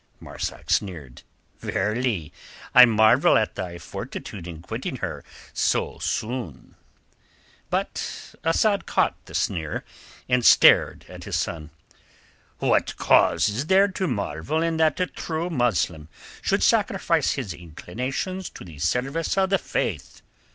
Marzak sneered. "Verily, I marvel at thy fortitude in quitting her so soon!" But Asad caught the sneer, and stared at his son. "What cause is there to marvel in that a true Muslim should sacrifice his inclinations to the service of the Faith?"